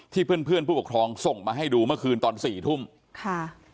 เพื่อนเพื่อนผู้ปกครองส่งมาให้ดูเมื่อคืนตอนสี่ทุ่มค่ะ